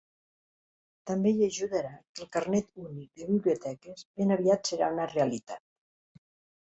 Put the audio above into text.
També hi ajudarà que el carnet únic de biblioteques ben aviat serà una realitat.